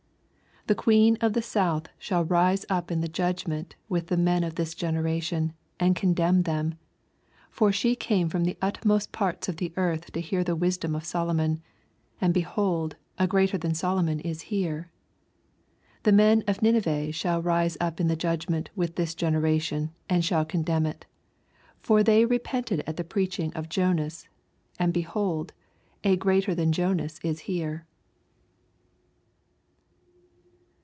31 The queen of the south shall rise up in the judgment with the men of this generation, and condemn them : for she came from the utmost parts of the earth to hear the wisdom of Solomon ; and behold, a greater than Solomon is here. 32 The men of Nineve shall rise up in the judgment with this genera tion, and shall condemn it : lor they repented at the preaching of Jonas : and, behold, a greater than Jonas U here.